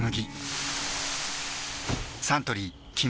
サントリー「金麦」